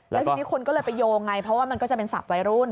แล้วทีนี้คนก็เลยไปโยงไงเพราะว่ามันก็จะเป็นศัพท์วัยรุ่น